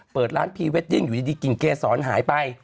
เปิดร้านพรีเวดดิ้งอยู่ดีกลิ่นเกษรหายไป